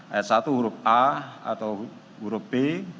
ayat satu huruf a atau huruf b